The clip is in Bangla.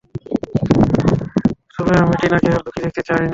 তবে আমি টিনাকে আর, দুঃখী দেখতে চাই না।